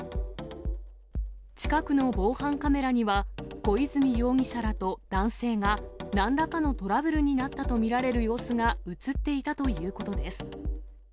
近くの防犯カメラには、小泉容疑者らと男性が、なんらかのトラブルになったと見られる様子が写っていたということです。